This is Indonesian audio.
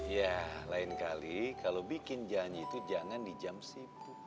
ya lain kali kalau bikin janji itu jangan di jam sibuk